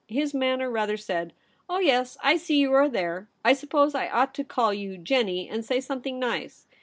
His manner rather said, ' Oh yes, I see you are there ; I suppose I ought to call you "Jennie," and say something nice.